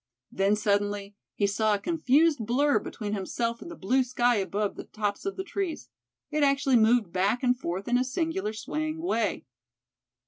Then suddenly, he saw a confused blur between himself and the blue sky above the tops of the trees. It actually moved back and forth in a singular swaying way.